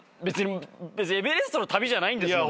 別にエベレストの旅じゃないんですもんね？